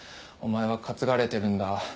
お前は担がれてるんだ。